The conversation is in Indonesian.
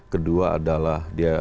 kedua adalah dia